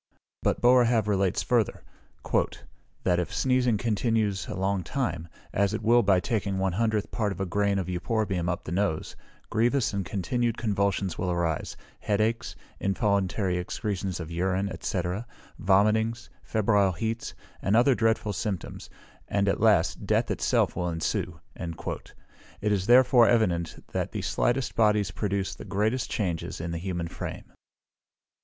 But Boerhaave relates further, "That if sneezing continues a long time, as it will by taking one hundredth part of a grain of euphorbium up the nose, grievous and continued convulsions will arise, head aches, involuntary excretions of urine, &c., vomitings, febrile heats, and other dreadful symptoms; and, at last, death itself will ensue." It is therefore evident that the slightest bodies produce the greatest changes in the human frame.